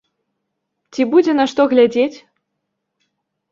Ці будзе, на што глядзець?